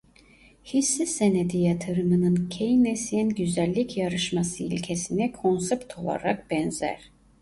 Hisse senedi yatırımının Keynesyen güzellik yarışması ilkesine konsept olarak benzer.